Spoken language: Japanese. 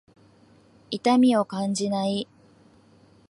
痛みを感じない。